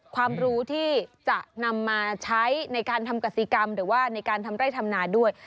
ความรู้ที่จะนำมาใช้ในการทำกษีกรรมหรือว่าในการทำไร่ทำนาด้วย